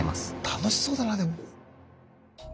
楽しそうだなでも。